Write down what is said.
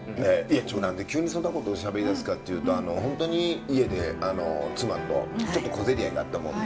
何で急にそんなことしゃべりだすかっていうと本当に家で妻とちょっと小競り合いがあったもんで。